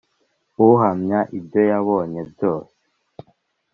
uhamya ibyo yabonye byose,